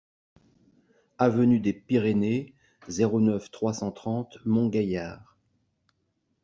Avenue des Pyrénées, zéro neuf, trois cent trente Montgaillard